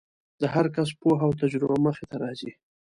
د هر کس پوهه او تجربه مخې ته راځي.